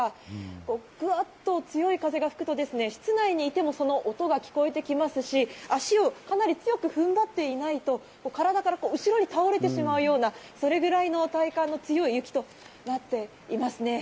こう、ぐっと強い風が吹くと、室内にいても、その音が聞こえてきますし、足をかなり強く踏ん張っていないと体が後ろに倒れてしまうような、それぐらいの体感の強い雪となっていますね。